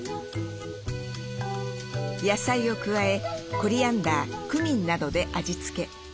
野菜を加えコリアンダークミンなどで味付け。